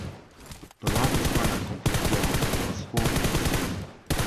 The largest planar complete graph has four vertices.